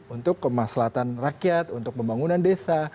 untuk kemaslahan rakyat untuk pembangunan desa